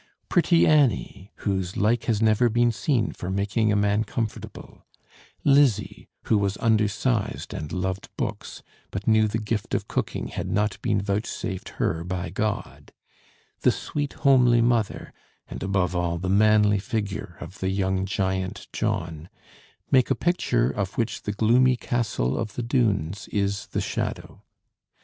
Pretty Annie, whose "like has never been seen for making a man comfortable," Lizzie, who was undersized and loved books, "but knew the gift of cooking had not been vouchsafed her by God," the sweet homely mother, and above all the manly figure of the young giant John, make a picture of which the gloomy castle of the Doones is the shadow.